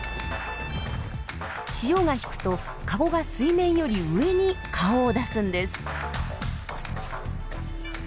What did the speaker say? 潮が引くとカゴが水面より上に顔を出すんです。